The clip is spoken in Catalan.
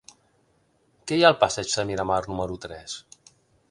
Què hi ha al passeig de Miramar número tres?